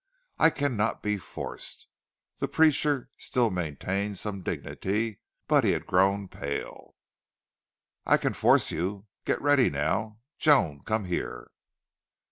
"I cannot be forced." The preacher still maintained some dignity, but he had grown pale. "I can force you. Get ready now!... Joan, come here!"